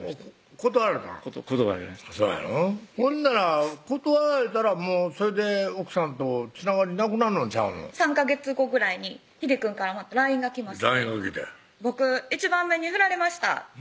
断られましたほんなら断られたらもうそれで奥さんとつながりなくなんのんちゃうの３ヵ月後ぐらいにひでくんからＬＩＮＥが来まして「僕１番目に振られました」